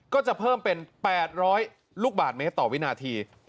ก็จะเพิ่มเป็น๘๐๐ลูกบาทเมตรต่อวินาที